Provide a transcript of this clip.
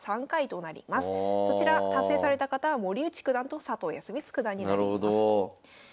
そちら達成された方は森内九段と佐藤康光九段になります。